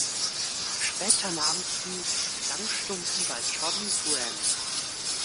Später nahm sie Gesangsstunden bei John Braham.